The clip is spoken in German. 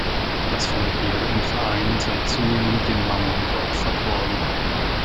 Das Familiäre im Verein sei zunehmend dem Mammon geopfert worden.